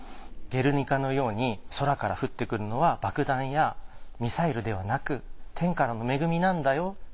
『ゲルニカ』のように空から降ってくるのは爆弾やミサイルではなく天からの恵みなんだよ。